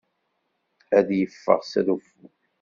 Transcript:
Ad yeffeɣ s reffu.